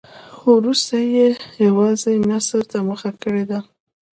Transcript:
خو وروسته یې یوازې نثر ته مخه کړې ده.